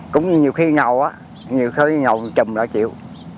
cũng như nhiều khi ngầu á nhiều khi ngầu trùm rồi chịu